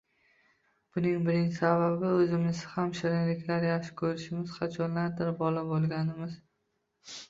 Buning birinchi sababi – o‘zimiz ham shirinliklarni yaxshi ko‘rishimiz, qachonlardir bola bo‘lganimiz